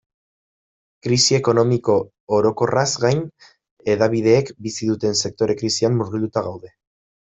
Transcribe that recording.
Krisi ekonomiko orokorraz gain, hedabideek bizi duten sektore-krisian murgilduta gaude.